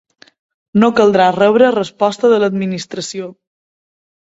No caldrà rebre resposta de l'Administració.